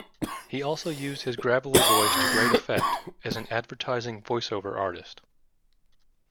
He also used his gravelly voice to great effect as an advertising voice-over artist.